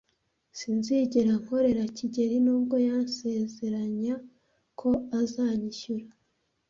Sinzigera nkorera kigeli nubwo yansezeranya ko azanyishyura.